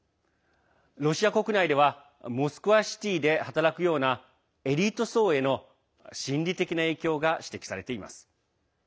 ロシア国内ではモスクワシティで働くようなエリート層への心理的な影響が指摘されています。